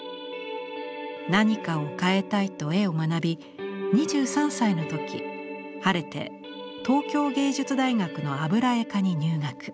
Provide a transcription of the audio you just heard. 何かを変えたいと絵を学び２３歳の時晴れて東京藝術大学の油絵科に入学。